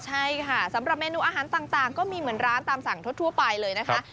ใช่ค่ะสำหรับเมนูอาหารต่างก็มีเหมือนร้านตามสั่งทั่วไปเลยนะคะ